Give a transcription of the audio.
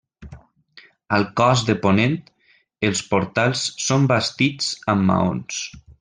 Al cos de ponent, els portals són bastits amb maons.